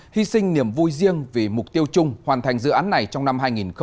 hy sinh niềm vui riêng vì mục tiêu chung hoàn thành dự án này trong năm hai nghìn hai mươi